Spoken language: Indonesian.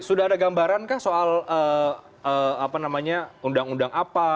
sudah ada gambaran kah soal undang undang apa